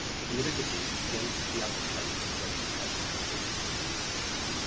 Euripides is jealous of the other's place as the greatest tragic poet.